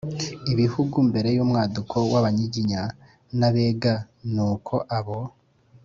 "ibihugu" mbere y'umwaduko w'abanyiginya n'abega, ni uko abo